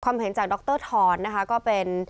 เห็นจากดรทรนะคะก็เป็น